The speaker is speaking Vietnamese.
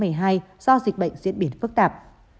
do dịch bệnh diễn biến phức tạp